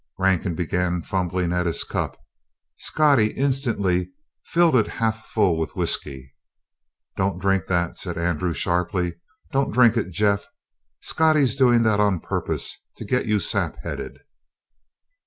Rankin began fumbling at his cup; Scottie instantly filled it half full with whisky. "Don't drink that," said Andrew sharply. "Don't drink it, Jeff. Scottie's doin' that on purpose to get you sap headed!"